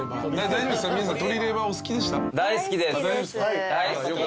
大丈夫ですか。